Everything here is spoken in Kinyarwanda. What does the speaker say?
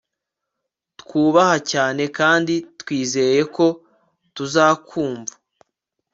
Twubaha cyane kandi twizeye ko tuzakumva